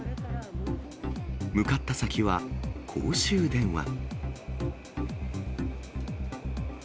向かった先は公衆電話。